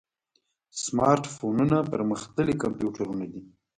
سمارټ فونونه پرمختللي کمپیوټرونه دي.